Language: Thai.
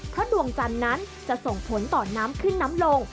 เพราะดวงจันทร์นั้นจะส่งผลต่อน้ำขึ้นน้ำลง